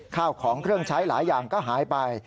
ข้าวของเครื่องใช้หลายอย่างก็หายไป